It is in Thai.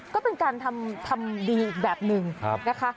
ก็เป็นการทำดีอีกแบบหนึ่งนะคะ